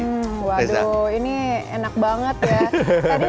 hmm waduh ini enak banget ya